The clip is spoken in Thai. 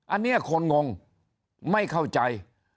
อันนี้คนงงไม่เข้าใจ